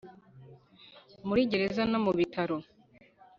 Muri gereza no mu bitaro